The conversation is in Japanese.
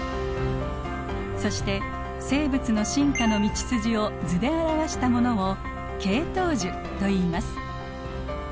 そして生物の進化の道筋を図で表したものを「系統樹」といいます。